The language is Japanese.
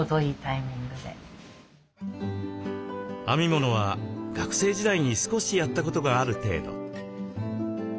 編み物は学生時代に少しやったことがある程度。